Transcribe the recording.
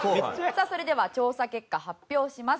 さあそれでは調査結果発表します。